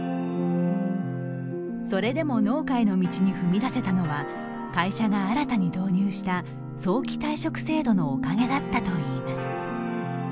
それでも農家への道に踏み出せたのは会社が新たに導入した早期退職制度のおかげだったといいます。